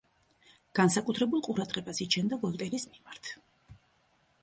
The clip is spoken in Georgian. განსაკუთრებულ ყურადღებას იჩენდა ვოლტერის მიმართ.